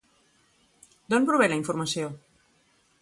D'on prové la informació?